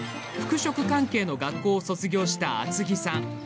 服飾関係の学校を卒業した厚木さん。